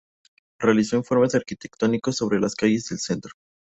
Realizó informes arquitectónicos sobre las calles del centro.